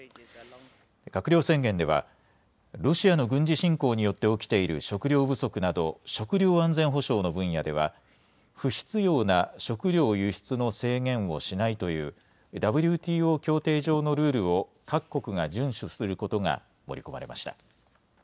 閣僚宣言ではロシアの軍事侵攻によって起きている食料不足など食料安全保障の分野では不必要な食料輸出の制限をしないというＷＴＯ協定上のルールを各国が順守することが盛り込まれました。